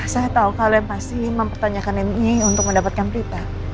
saya tahu kalian pasti mempertanyakan ini untuk mendapatkan berita